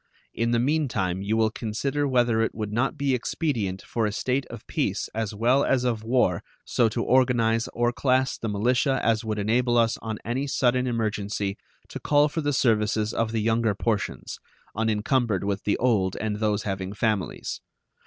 In the mean time you will consider whether it would not be expedient for a state of peace as well as of war so to organize or class the militia as would enable us on any sudden emergency to call for the services of the younger portions, unencumbered with the old and those having families.